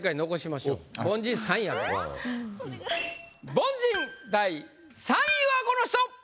凡人第３位はこの人！